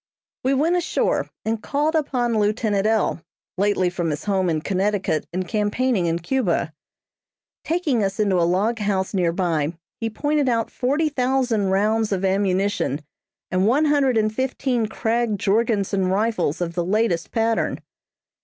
We went ashore and called upon lieutenant L., lately from his home in Connecticut and campaigning in Cuba. Taking us into a log house near by, he pointed out forty thousand rounds of ammunition and one hundred and fifteen Krag Jorgensen rifles of the latest pattern.